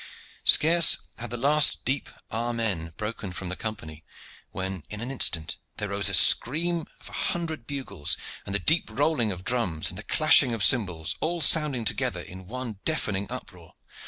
Scarce had the last deep "amen" broken from the Company, when, in an instant, there rose the scream of a hundred bugles, with the deep rolling of drums and the clashing of cymbals, all sounding together in one deafening uproar.